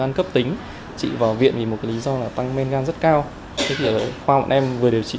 an cấp tính chị vào viện vì một lý do là tăng men gan rất cao thế thì khoa bọn em vừa điều trị